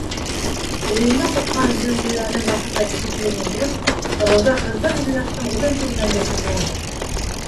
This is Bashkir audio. Өйөндә ҡупҡан зилзиләне баҫырҙай кеше килеп ингәс, Рауза Хызыр Ильястың үҙен күргәндәй шатланды: